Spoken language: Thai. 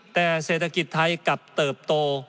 แต่เศรษฐกิจไทยกลับเติบโต